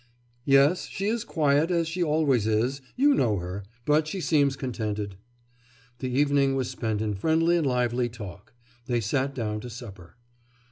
'Yes. She is quiet, as she always is. You know her but she seems contented.' The evening was spent in friendly and lively talk. They sat down to supper.